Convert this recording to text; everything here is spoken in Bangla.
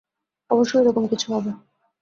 অবশ্যই এরকম কিছু হবে।